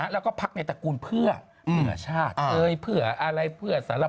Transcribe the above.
แล้วก็พักในตระกูลเพื่อชาติเพื่ออะไรเพื่อสาร